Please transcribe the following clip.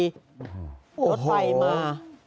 รถไฟมา